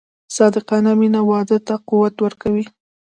صادقانه مینه واده ته قوت ورکوي.